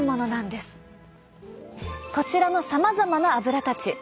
こちらのさまざまなアブラたち。